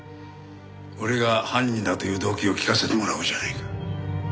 俺が犯人だという動機を聞かせてもらおうじゃないか。